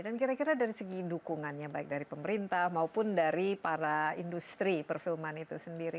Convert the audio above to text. dan kira kira dari segi dukungannya baik dari pemerintah maupun dari para industri perfilman itu sendiri